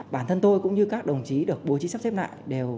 bản thân tôi cũng như các đồng chí được bố trí sắp xếp lại đều